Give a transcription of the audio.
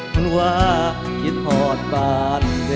กลับถึงฟ้า